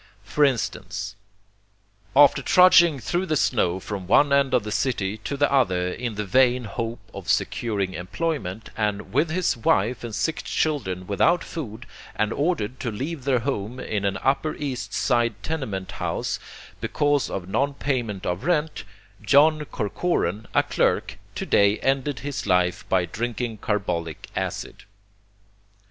For instance: "'After trudging through the snow from one end of the city to the other in the vain hope of securing employment, and with his wife and six children without food and ordered to leave their home in an upper east side tenement house because of non payment of rent, John Corcoran, a clerk, to day ended his life by drinking carbolic acid.